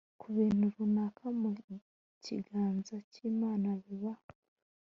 ku bintu runaka Mu kiganza cyImana biba